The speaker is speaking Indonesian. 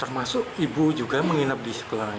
termasuk ibu juga menginap di sekolah